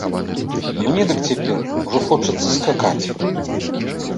Мне дык цяпер ужо хочацца скакаць.